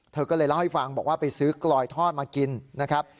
เธอก็เลยเล่าให้ฟังบอกว่าไปซื้อกลอยทอดมากินนะครับ